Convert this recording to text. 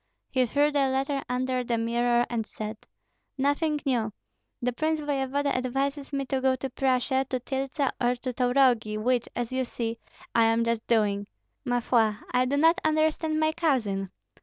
He threw the letter under the mirror and said, "Nothing new! The prince voevoda advises me to go to Prussia, to Tyltsa or to Taurogi, which, as you see, I am just doing. Ma foi, I do not understand my cousin.